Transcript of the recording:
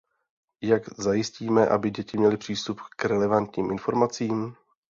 Jak zajistíme, aby děti měly přístup k relevantním informacím?